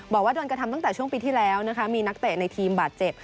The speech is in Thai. บอกว่าโดนกระทำตั้งแต่ช่วงปีที่แล้วนะคะมีนักเตะในทีมบาดเจ็บ